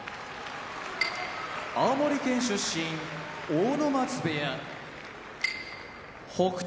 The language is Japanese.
青森県出身阿武松部屋北勝